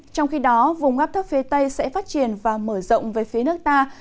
trong khi đó vùng ngắp thấp phía tây sẽ phát triển và mở rộng với phía nước ta